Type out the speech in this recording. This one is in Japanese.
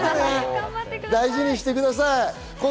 大事にしてください。